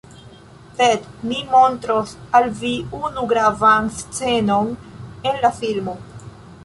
Sed mi montros al vi unu gravan scenon en la filmo